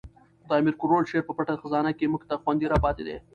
د امیر کروړ شعر په پټه خزانه کښي موږ ته خوندي را پاتي دي.